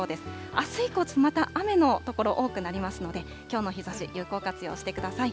あす以降、また雨の所、多くなりますので、きょうの日ざし、有効活用してください。